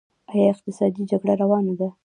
آیا اقتصادي جګړه روانه ده؟